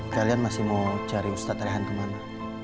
kalian masih mau cari ustadz ayahan kemana